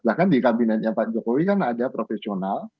bahkan di kabinetnya pak jokowi kan ada profesional